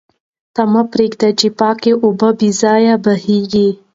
ته مه پرېږده چې پاکې اوبه بې ځایه بهېږي.